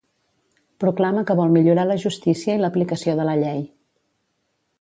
Proclama que vol millorar la justícia i l'aplicació de la llei.